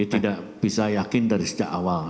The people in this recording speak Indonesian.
jadi tidak bisa yakin dari sejak awal